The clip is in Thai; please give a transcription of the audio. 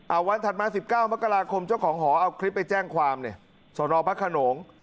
เอาวันถัดมา๑๙มกราคมเจ้าของหอเอาคลิปไปแจ้งความเนี่ยสอนอพระขนง